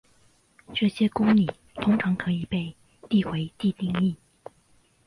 这些公理通常可以被递回地定义。